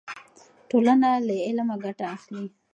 ټولنه له علمه ګټه اخلي.